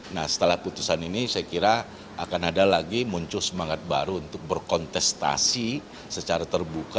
nah setelah putusan ini saya kira akan ada lagi muncul semangat baru untuk berkontestasi secara terbuka